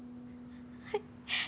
はい。